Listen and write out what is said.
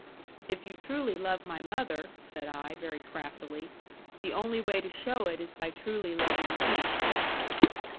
'If you truly love my mother,' said I, very craftily 'the only way to show it is by truly loving me.'